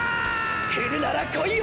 くるならこいよ！！